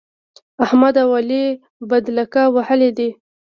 احمد او علي بدلک وهلی دی.